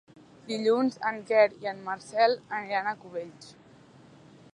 Dilluns en Quer i en Marcel aniran a Cubells.